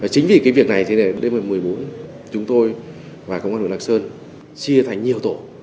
chính vì cái việc này thì đêm một mươi bốn chúng tôi và công an huyện lạc sơn chia thành nhiều tổ